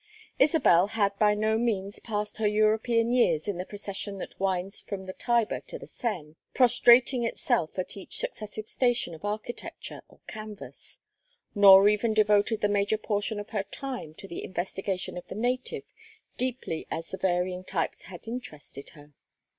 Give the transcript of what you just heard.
Isabel had by no means passed her European years in the procession that winds from the Tiber to the Seine, prostrating itself at each successive station of architecture or canvas; nor even devoted the major portion of her time to the investigation of the native, deeply as the varying types had interested her.